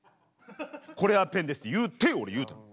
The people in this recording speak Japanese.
これはペンですって言うて俺言うたん。